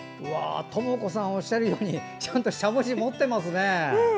知子さんがおっしゃるようにちゃんとしゃもじ持ってますね。